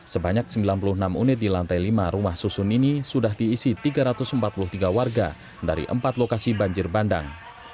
sebanyak sembilan puluh enam unit di lantai lima rumah susun ini sudah diisi tiga ratus empat puluh tiga warga dari empat lokasi banjir bandang